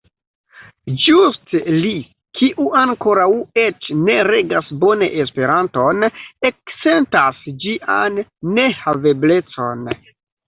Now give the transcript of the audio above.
Ĝuste li, kiu ankoraŭ eĉ ne regas bone Esperanton, eksentas ĝian nehaveblecon.